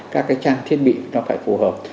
các cái trang thiết bị nó phải phù hợp